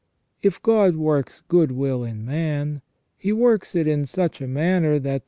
If God works good will in man, He works it in such a manner that the * S.